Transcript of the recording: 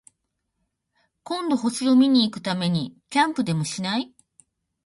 今度、星を見に行くためにキャンプでもしない？